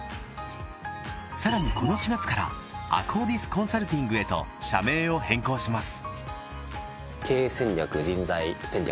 さらにこの４月からＡＫＫＯＤｉＳコンサルティングへと社名を変更します